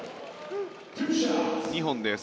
２本です。